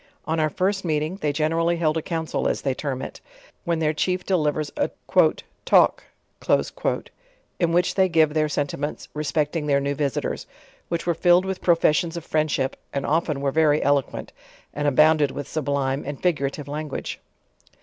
On our first meeting, they generally held a council as they term it, when their chief de livers a "talk," in which they give their sentiments respect ing their new visitors; which were filled with professions of frsindship, and often were very eloquent, and abounded with sublime and figurative language.